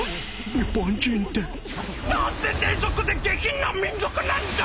日本人ってなんて低俗で下品な民族なんだ！